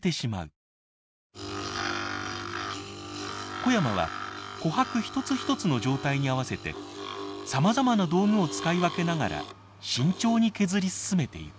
小山は琥珀一つ一つの状態に合わせてさまざまな道具を使い分けながら慎重に削り進めていく。